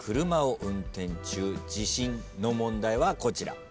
車を運転中地震の問題はこちら。